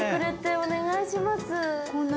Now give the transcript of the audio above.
お願いします。